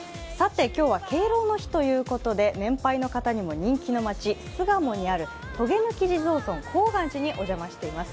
今日は敬老の日ということで年配の方にも人気の街、巣鴨にある、とげぬき地蔵尊高岩寺にお邪魔しています。